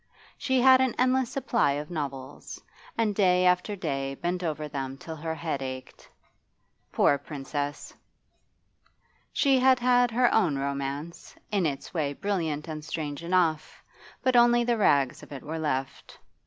She had an endless supply of novels, and day after day bent over them till her head ached. Poor Princess! She had had her own romance, in its way brilliant and strange enough, but only the rags of it were left.